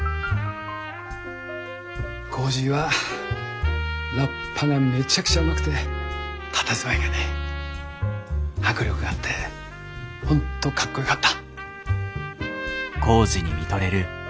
コージーはラッパがめちゃくちゃうまくてたたずまいがね迫力があって本当かっこよかった。